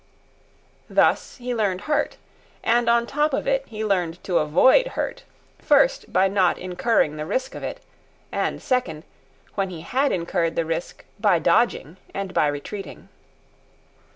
Thus he learned hurt; and on top of it he learned to avoid hurt, first, by not incurring the risk of it; and second, when he had incurred the risk, by dodging and by retreating.